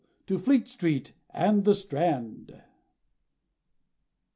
to Fleet Street and the Strand!